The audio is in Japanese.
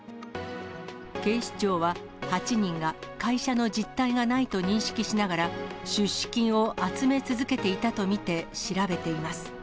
警視庁は８人が会社の実体がないと認識しながら、出資金を集め続けていたと見て、調べています。